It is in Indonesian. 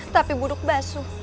tapi buduk basu